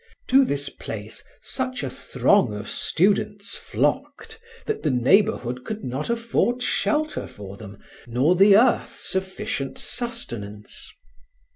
To this place such a throng of students flocked that the neighbourhood could not afford shelter for them, nor the earth sufficient sustenance.